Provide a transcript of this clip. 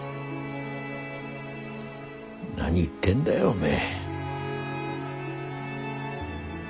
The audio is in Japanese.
何言ってんだよおめえ。